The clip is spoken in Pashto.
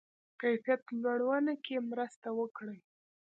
کیفیت لوړونه کې مرسته وکړي.